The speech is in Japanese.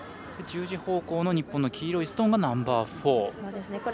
１０時方向の日本の黄色いストーンがナンバーフォー。